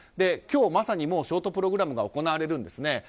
今日まさにもうショートプログラムが行われるんですね。